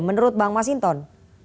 menurut bang mas inton